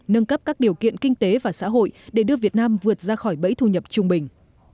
nâng cấp các điều kiện kinh tế và xã hội để đưa việt nam vượt ra khỏi bẫy thu nhập trung bình